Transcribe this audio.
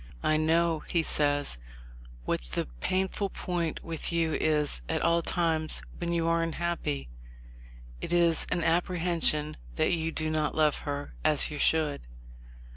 "I know," he says, "what the painful point with you is at all times when you are un happy ; it is an apprehension that you do not love her as you should.